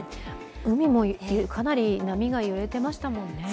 海もかなり波が揺れてましたもんね。